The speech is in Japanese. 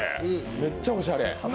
めっちゃおしゃれ。